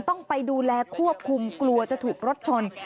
ต้องไปดูแลควบคุมกลัวจะถูกรถชน